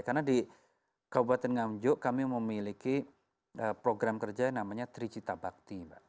karena di kabupaten nganjung kami memiliki program kerja yang namanya tri cita bakti